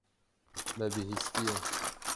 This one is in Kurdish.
Me bihîstiye.